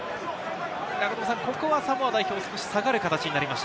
ここはサモア代表、少し下がる形になりました。